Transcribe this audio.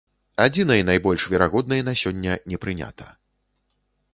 Адзінай найбольш верагоднай на сёння не прынята.